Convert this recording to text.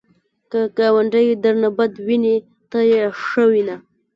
که ګاونډی درنه بد ویني، ته یې ښه وینه